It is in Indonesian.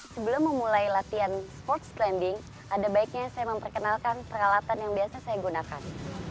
sebelum memulai latihan sports cleaning ada baiknya saya memperkenalkan peralatan yang biasa saya gunakan